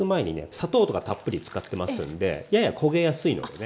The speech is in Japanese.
砂糖とかたっぷり使ってますんでやや焦げやすいのでね